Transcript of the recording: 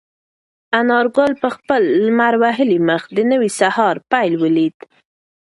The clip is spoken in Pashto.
انارګل په خپل لمر وهلي مخ د نوي سهار پیل ولید.